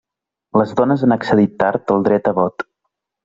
Les dones han accedit tard al dret al vot.